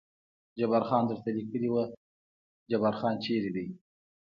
جبار خان درته لیکلي و، جبار خان چېرې دی؟